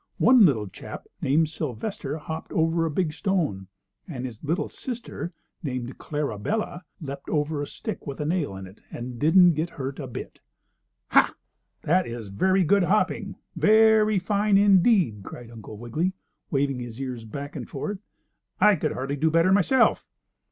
One little chap, named Sylvester, hopped over a big stone, and his little sister, named Clarabella, leaped over a stick with a nail in it and didn't get hurt a bit. "Ha! That is very good hopping! Very fine, indeed!" cried Uncle Wiggily, waving his ears back and forth. "I could hardly do better myself."